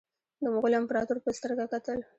د مغولو امپراطور په سترګه کتل.